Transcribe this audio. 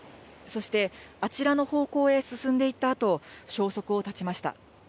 そしてあちらの方向へ進んでいったあと、消息を絶ちました。